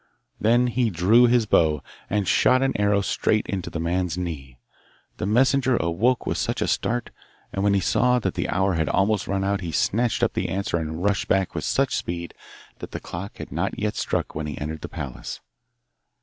Then he drew his bow, and shot an arrow straight into the man's knee. The messenger awoke with such a start, and when he saw that the hour had almost run out he snatched up the answer and rushed back with such speed that the clock had not yet struck when he entered the palace.